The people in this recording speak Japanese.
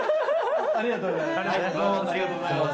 ありがとうございます。